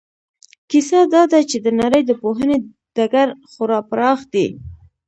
کیسه دا ده چې د نړۍ د پوهنې ډګر خورا پراخ دی.